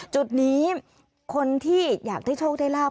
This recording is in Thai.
จุดนี้คนที่อยากได้โชคได้ลาบ